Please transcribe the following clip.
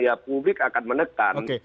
ya publik akan menekan